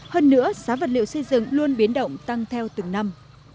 hơn nữa giá vật liệu xây dựng luôn biến động tăng theo từng năm